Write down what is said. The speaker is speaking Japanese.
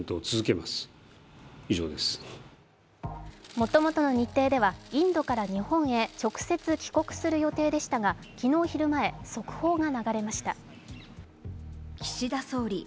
もともとの日程ではインドから日本へ直接帰国する予定でしたが、昨日昼前、速報が流れました。